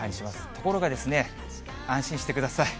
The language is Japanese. ところがですね、安心してください。